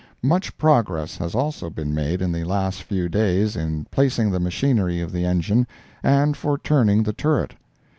Much progress has also been made in the last few days in placing the machinery of the engine, and for turning the turret.